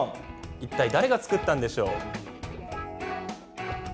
いったい誰が作ったんでしょう？